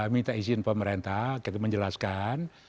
minta izin pemerintah kita menjelaskan